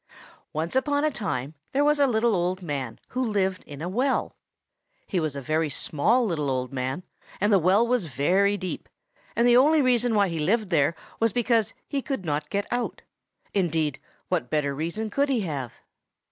Once upon a time there was a little old man who lived in a well. He was a very small little old man, and the well was very deep; and the only reason why he lived there was because he could not get out. Indeed, what better reason could he have?